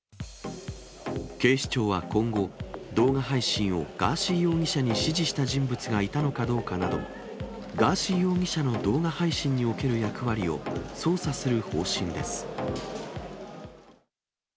警視庁は今後、動画配信をガーシー容疑者に指示した人物がいたのかどうかなど、ガーシー容疑者の動画配信における役割を捜査する方針です。